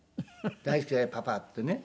大好きだよパパ」ってね。